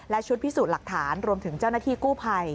และชุดพิสูจน์หลักฐานรวมถึงเจ้าหน้าที่กู้ภัย